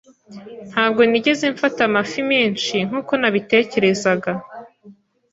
Ntabwo nigeze mfata amafi menshi nkuko nabitekerezaga.